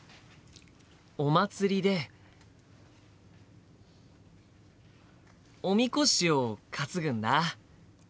お祭りでおみこしを担ぐんだ。